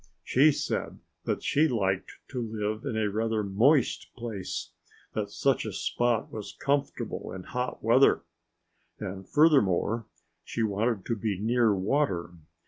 She said that she liked to live in a rather moist place that such a spot was comfortable in hot weather. And furthermore she wanted to be near water.